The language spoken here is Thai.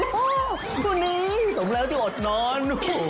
โทรมานโทรมานโทรมาน